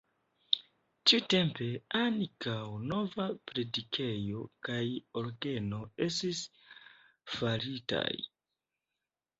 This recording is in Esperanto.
Tiutempe ankaŭ nova predikejo kaj orgeno estis faritaj.